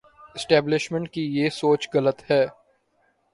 Establishment کی یہ سوچ غلط ہے۔